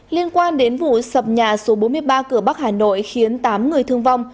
liên quan đến vụ sập nhà số bốn mươi ba cửa bắc hà nội khiến tám người thương vong